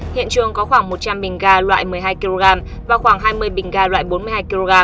hiện trường có khoảng một trăm linh bình ga loại một mươi hai kg và khoảng hai mươi bình ga loại bốn mươi hai kg